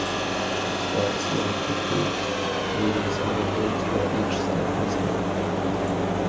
Spikes wound the tree, leaving small holes where each step has been.